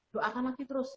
doakan lagi terus